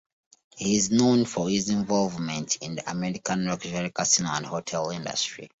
He is known for his involvement in the American luxury casino and hotel industry.